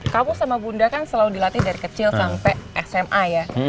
kamu sama bunda kan selalu dilatih dari kecil sampai sma ya